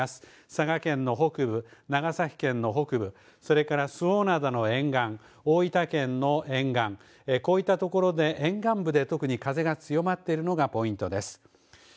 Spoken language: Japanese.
佐賀県の北部、長崎県の北部、それから周防灘の沿岸、大分県の沿岸、こういったところで沿岸部で特に風が強まっているのがポイントです。